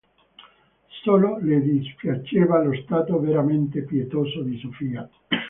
Solo le dispiaceva lo stato veramente pietoso di Sofia.